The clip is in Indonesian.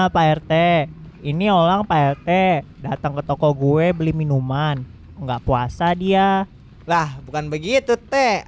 pak rt ini orang pak rt datang ke toko gue beli minuman enggak puasa dia lah bukan begitu teh